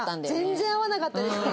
全然合わなかったですね